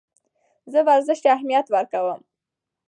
زه ورزش ته اهمیت ورکوم.